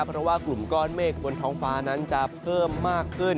เพราะว่ากลุ่มก้อนเมฆบนท้องฟ้านั้นจะเพิ่มมากขึ้น